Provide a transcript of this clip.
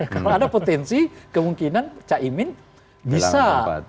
kalau ada potensi kemungkinan cak imin bisa